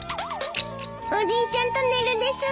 おじいちゃんと寝るです。